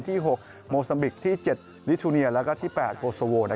ที่๖โมซัมบิกที่๗ลิทูเนียแล้วก็ที่๘โกโซโว